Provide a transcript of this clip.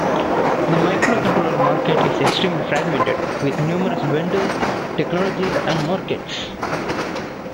The microcontroller market is extremely fragmented, with numerous vendors, technologies, and markets.